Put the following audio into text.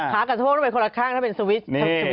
ขากับสะโพกต้องเป็นคนละข้างถ้าเป็นสวิทย์